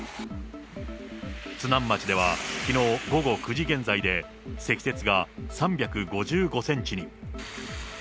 津南町ではきのう午後９時現在で、積雪が３５５センチに。